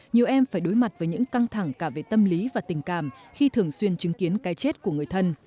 nhiều em phải đối mặt với những căng thẳng cả về tâm lý và tình cảm khi thường xuyên chứng kiến cái chết của người thân